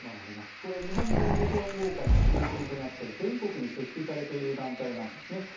これ、日本弁護士連合会が中心となって全国に設置されている団体なんですね。